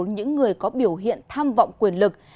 những người có biểu hiện tham vọng quyền lực